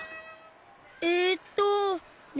えっとね